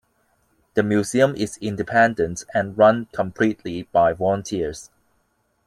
The museum is independent and run completely by volunteers.